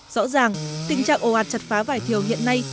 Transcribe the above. rõ ràng tình trạng ồ ạt chặt phá vải thiều hiện nay